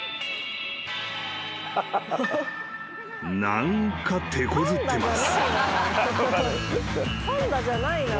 ［何かてこずってます］